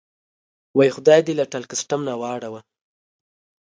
وایي: خدای دې له ټل کسټم نه واړوه.